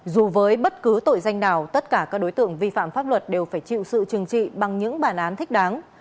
dù với bất cứ tội danh nào tất cả các đối tượng vi phạm pháp luật đều phải chịu sự trừng trị bằng những bản án thích đáng